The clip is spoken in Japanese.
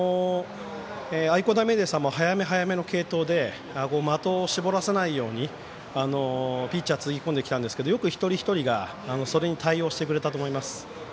愛工大名電さんも早め早めの継投で的を絞らせないようにピッチャーつぎ込んできたんですけどよく一人一人がそれに対応してくれたと思います。